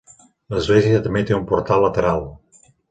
L'església també té un portal lateral.